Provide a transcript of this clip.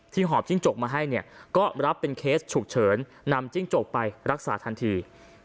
หอบจิ้งจกมาให้เนี่ยก็รับเป็นเคสฉุกเฉินนำจิ้งจกไปรักษาทันที